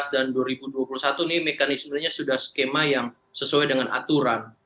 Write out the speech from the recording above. dan dua ribu dua puluh satu ini mekanisme ini sudah skema yang sesuai dengan aturan